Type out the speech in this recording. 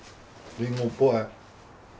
リンゴっぽい。